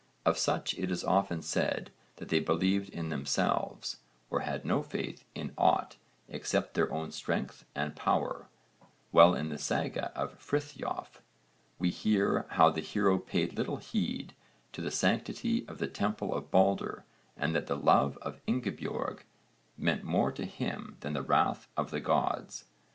Of such it is often said that they believed in themselves, or had no faith in aught except their own strength and power, while in the saga of Friþjof we hear how the hero paid little heed to the sanctity of the temple of Balder and that the love of Ingibjorg meant more to him than the wrath of the gods.